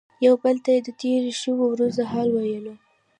یو بل ته یې د تیرو شویو ورځو حال ویلو.